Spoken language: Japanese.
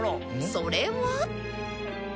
それは